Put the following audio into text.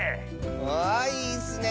わあいいッスね！